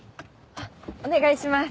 お願いします。